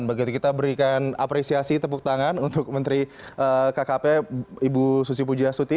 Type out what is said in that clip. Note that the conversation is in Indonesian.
begitu kita berikan apresiasi tepuk tangan untuk menteri kkp ibu susi pujiastuti